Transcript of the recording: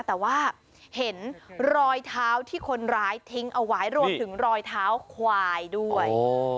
แต่ว่าเห็นรอยเท้าที่คนร้ายทิ้งเอาไว้รวมถึงรอยเท้าควายด้วย